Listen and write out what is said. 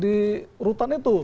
di rutan itu